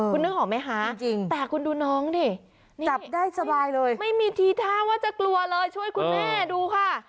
คุณนึกหรอไหมแต่คุณดูน้องนี่ไม่มีธีธรรมว่าจะกลัวเลยช่วยคุณแม่ดูค่ะ